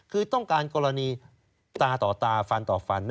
คือต้องการกรณีตาต่อตาฟันต่อฟัน